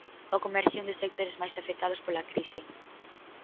O comercio é un dos sectores máis afectados pola crise.